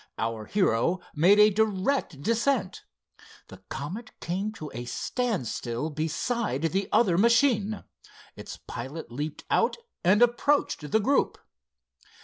Our hero made a direct descent. The Comet came to a standstill beside the other machine. Its pilot leaped out and approached the group.